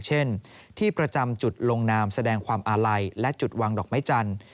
เช่นที่ประจำจุดลงนามแสดงความอาลัยและจุดวางดอกไม้จันทร์